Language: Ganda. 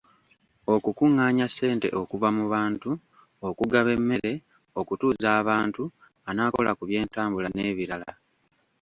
Okukuŋŋaanya ssente okuva mu bantu, okugaba emmere, okutuuza abantu, anaakola ku by’entambula n’ebirala.